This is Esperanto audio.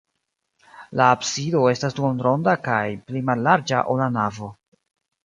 La absido estas duonronda kaj pli mallarĝa, ol la navo.